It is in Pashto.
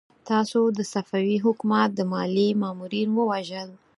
تاسو د صفوي حکومت د ماليې مامورين ووژل!